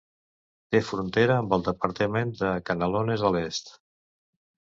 Té frontera amb el departament de Canelones a l'est.